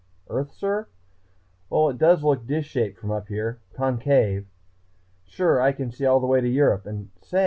Earth, sir?... Well, it does look dish shaped from up here, concave.... Sure, I can see all the way to Europe and say!